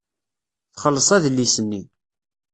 Txelleṣ adlis-nni.